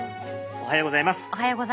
おはようございます。